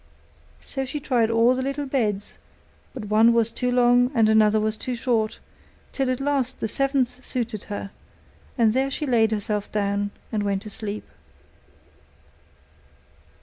So she tried all the little beds; but one was too long, and another was too short, till at last the seventh suited her: and there she laid herself down and went to sleep.